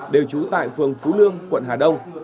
đều trú tại phường phú lương quận hà đông